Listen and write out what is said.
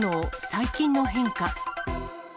最近の変化。